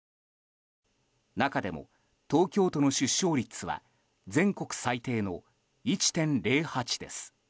中でも東京都の出生率は全国最低の１．０８です。